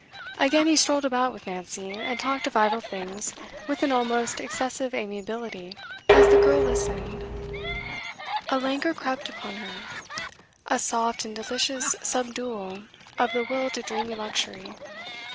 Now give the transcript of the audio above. Again he strolled about with Nancy, and talked of idle things with an almost excessive amiability. As the girl listened, a languor crept upon her, a soft and delicious subdual of the will to dreamy luxury.